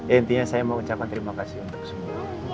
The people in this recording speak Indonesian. intinya saya mau ucapkan terima kasih untuk semua